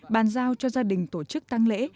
bàn giao cho gia đình tổ chức tăng lễ